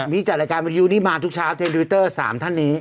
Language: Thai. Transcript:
มีจัดรายการวิวนี้มาทุกเช้าที่ทวิตเตอร์๓ท่านนี้